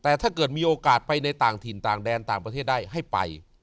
แต่ถ้าเกิดมีโอกาสไปในต่างถิ่นต่างแดนต่างประเทศได้ให้ไป